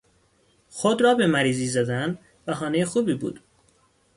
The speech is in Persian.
خود را به مریضی زدن بهانهی خوبی بود.